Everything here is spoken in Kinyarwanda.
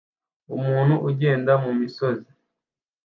Umuntu ugenda mumisozi